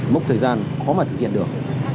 mốc thời gian khó mà thực hiện được